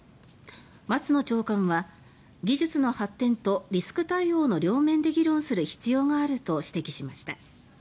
松野長官は「技術の発展とリスク対応の両面で議論する必要がある」と指摘しました。